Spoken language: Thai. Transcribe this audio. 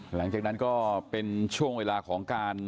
ให้เธอรู้ในใจตลอดก่อน